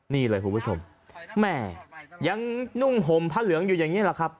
นี่เลยคุณผู้ชมแม่ยังนุ่งห่มพระเหลืองอยู่อย่างนี้แหละครับ